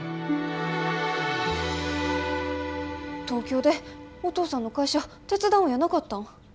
東京でお父さんの会社手伝うんやなかったん？